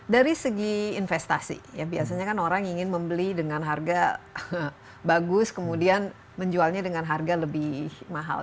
dari segi investasi ya biasanya kan orang ingin membeli dengan harga bagus kemudian menjualnya dengan harga lebih mahal